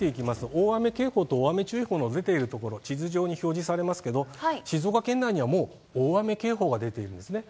大雨警報と大雨注意報が出ている所、地図上に表示されますけど、静岡県内にはもう大雨警報が出ているんですね。